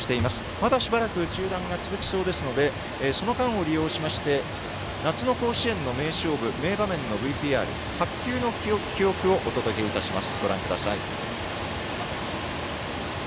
まだしばらく中断が続きそうですのでその間を利用しまして夏の甲子園の名勝負、名場面のＶＴＲ「白球の記憶」をお届けいたします。